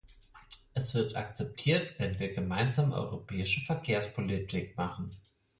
Es wird akzeptiert, wenn wir gemeinsame europäische Verkehrspolitik machen.